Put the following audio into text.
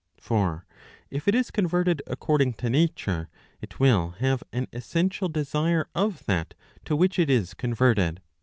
For if it is converted according to nature, it will have an essential desire of that to which it is converted.